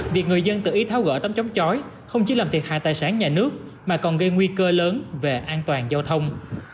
việc người dân tự ý tháo gỡ tấm chống chói không chỉ làm thiệt hại tài sản nhà nước mà còn gây nguy cơ lớn về an toàn giao thông